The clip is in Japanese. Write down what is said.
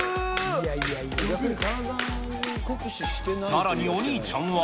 さらにお兄ちゃんは。